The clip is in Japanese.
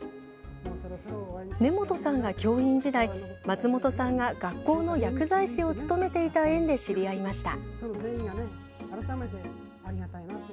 根本さんが教員時代、松本さんが学校の薬剤師を務めていた縁で知り合いました。